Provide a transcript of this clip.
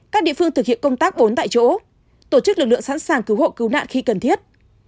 các địa phương thực hiện công tác bốn tại chỗ tổ chức lực lượng sẵn sàng cứu hộ cứu nạn khi cần thiết